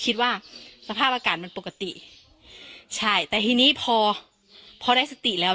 สภาพอากาศมันปกติใช่แต่ทีนี้พอพอได้สติแล้ว